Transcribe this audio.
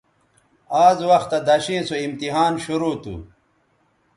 آز وختہ دݜیئں سو امتحان شرو تھو